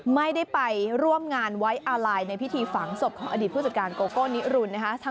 ไม่ได้ไปร่วมงานไว้อาลัยในพิธีฝังศพของอดีตผู้จัดการโกโก้นิรุนนะคะ